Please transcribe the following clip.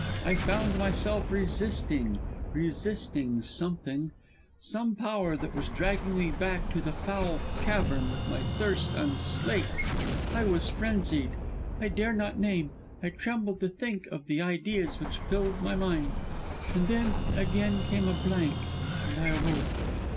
I found myself resisting resisting something, some power that was dragging me back to that foul cavern with my thirst unslaked! I was frenzied; I dare not name, I tremble to think, of the ideas which filled my mind. Then, again came a blank, and I awoke."